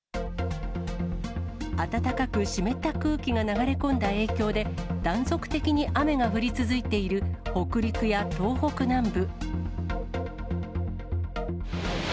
暖かく湿った空気が流れ込んだ影響で、断続的に雨が降り続いている北陸や東北南部。